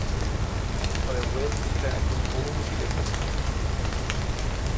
তবে ওয়েলস ছিলেন একজন বহুমুখী লেখক।